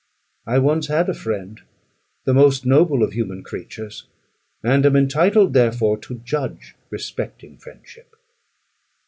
I once had a friend, the most noble of human creatures, and am entitled, therefore, to judge respecting friendship.